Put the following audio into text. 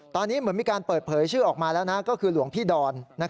ตอนนี้เหมือนมีการเปิดเผยชื่อออกมาแล้วนะก็คือหลวงพี่ดอน